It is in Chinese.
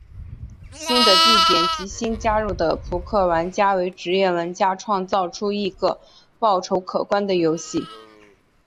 新的地点及新加入的扑克玩家为职业玩家创造出了一个报酬可观的游戏。